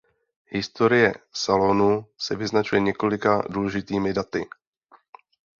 Historie Salonu se vyznačuje několika důležitými daty.